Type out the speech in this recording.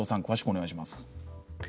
詳しくお願いします。